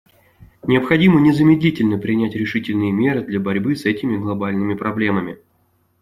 Необходимо незамедлительно принять решительные меры для борьбы с этими глобальными проблемами.